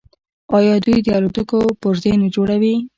آیا دوی د الوتکو پرزې نه جوړوي؟